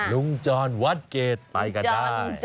ลุงจรวัดเกดไปกันได้ลุงจร